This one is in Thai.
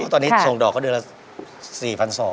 ตอนนี้ส่งดอกเขาเดือนละ๔๒๐๐